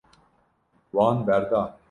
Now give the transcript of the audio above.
Wan berda.